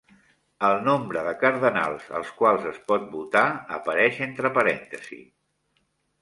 El nombre de cardenals als quals es pot votar apareix entre parèntesis.